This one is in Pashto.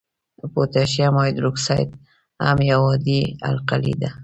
پوتاشیم هایدروکساید هم یو عادي القلي ده.